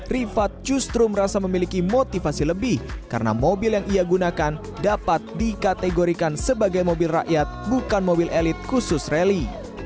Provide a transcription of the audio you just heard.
rifat justru merasa memiliki motivasi lebih karena mobil yang ia gunakan dapat dikategorikan sebagai mobil rakyat bukan mobil elit khusus rally